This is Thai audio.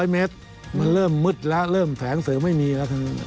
๐เมตรมันเริ่มมืดแล้วเริ่มแสงเสริมไม่มีแล้วครับ